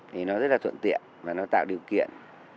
thì nó rất là thuận tiện và nó tạo điều kiện